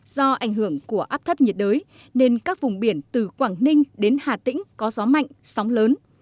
do ảnh hưởng của áp thấp nhiệt đới nên các vùng biển từ quảng ninh đến hà tĩnh có gió mạnh sóng lớn